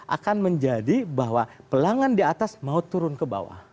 akan menjadi bahwa pelanggan di atas mau turun ke bawah